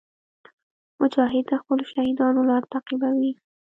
مجاهد د خپلو شهیدانو لار تعقیبوي.